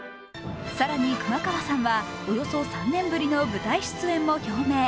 更に熊川さんはおよそ３年ぶりの舞台出演も表明。